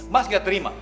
mas gak terima